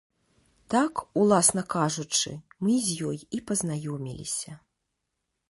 Так, уласна кажучы, мы з ёй і пазнаёміліся.